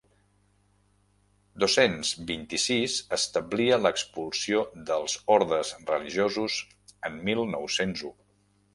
Dos-cents vint-i-sis establia l'expulsió dels ordes religiosos en mil nou-cents u.